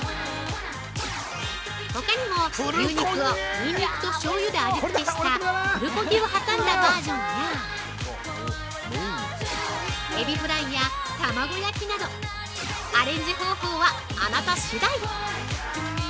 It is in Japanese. ほかにも、牛肉をニンニクとしょうゆで味付けしたプルコギを挟んだバージョンやエビフライやたまご焼きなどアレンジ方法は、あなた次第。